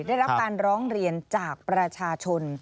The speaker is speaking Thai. ได้รับการร้องเรียนจากประชาชน